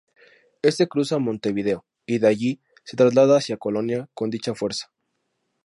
Este cruza a Montevideo y de allí se traslada hacia Colonia con dicha fuerza.